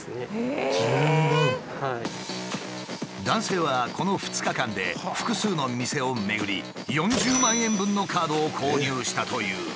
男性はこの２日間で複数の店を巡り４０万円分のカードを購入したという。